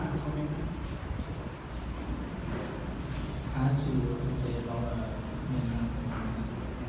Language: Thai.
คุณคิดว่าเกินเท่าไหร่หรือไม่เกินเท่าไหร่